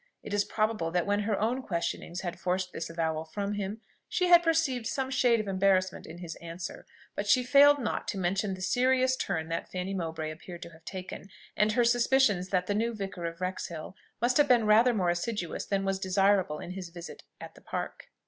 It is probable that when her own questionings had forced this avowal from him, she had perceived some shade of embarrassment in his answer; but she failed not to mention the serious turn that Fanny Mowbray appeared to have taken, and her suspicions that the new Vicar of Wrexhill must have been rather more assiduous than was desirable in his visit at the Park.